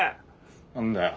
何だよ。